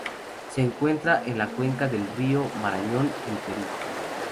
Se encuentra en la cuenca del río Marañón, en Perú.